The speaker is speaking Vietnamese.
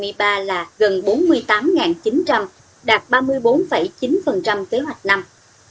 nhiều người đã tạo việc làm trong bốn tháng đầu năm hai nghìn hai mươi ba là gần bốn mươi tám chín trăm linh đạt ba mươi bốn chín kế hoạch năm